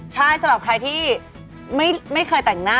ใช่สำหรับใครที่ไม่เคยแต่งหน้า